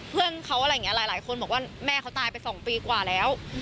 เพื่อนเขาอะไรอย่างนี้หลายคนบอกว่าแม่เขาตายไป๒ปีกว่าแล้ว